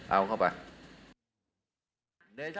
เอาเข้าไป